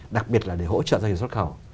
đặc biệt là để hỗ trợ doanh nghiệp xuất khẩu